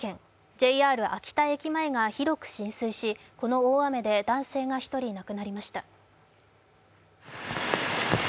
ＪＲ秋田駅前が広く浸水し、この大雨で男性が１人亡くなりました。